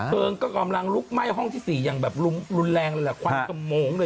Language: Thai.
เพลิงก็กำลังลุกไหม้ห้องที่๔อย่างแบบรุนแรงเลยแหละควันกระโมงเลย